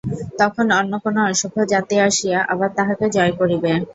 তখন অন্য কোন অসভ্য জাতি আসিয়া আবার তাহাকে জয় করিবে।